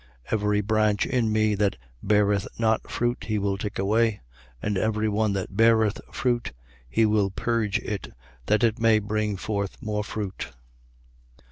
15:2. Every branch in me that beareth not fruit, he will take away: and every one that beareth fruit, he will purge it, that it may bring forth more fruit.